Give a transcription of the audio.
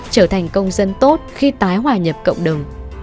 trở thành công dân tốt khi tái hòa nhập cộng đồng